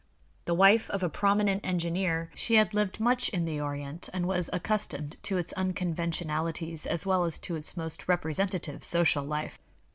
The wife of a prominent engineer, she had lived much in the Orient and was accustomed to its unconventionalities as well as to its most representative social life.